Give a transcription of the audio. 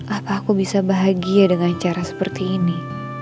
ah aku bisa bahagia dengan cara seperti ini